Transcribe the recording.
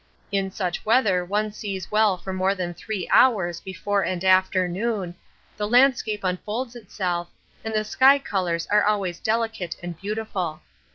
In such weather one sees well for more than three hours before and after noon, the landscape unfolds itself, and the sky colours are always delicate and beautiful.